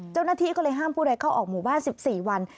เจ้าหน้าที่ก็เลยห้ามผู้ใดเข้าออกหมู่บ้าน๑๔วัน